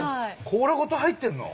甲羅ごと入ってんの？